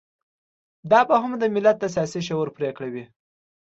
دا به هم د ملت د سياسي شعور پرېکړه وي.